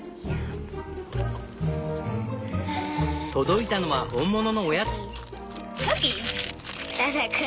届いたのは本物のおやつ！